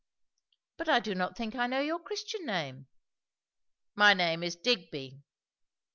"But I do not think I know your Christian name." "My name is Digby."